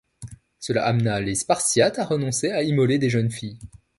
Cela amena les Spartiates à renoncer à immoler des jeunes filles.